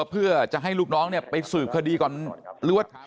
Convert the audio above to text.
เพื่อจะให้ลูกน้องเนี่ยไปสืบคดีก่อนรยวะ